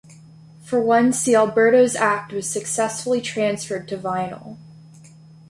For once, the Albertos' act was successfully transferred to vinyl.